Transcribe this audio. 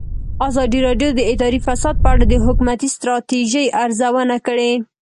ازادي راډیو د اداري فساد په اړه د حکومتي ستراتیژۍ ارزونه کړې.